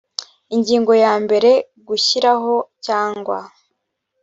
ingingo ya mbere gushyiraho cyangwa